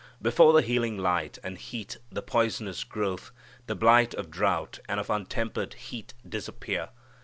Before the healing light and heat the poisonous growth, the blight of drought and of untempered heat disappear.